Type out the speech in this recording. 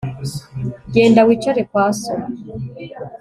genda wicare kwa so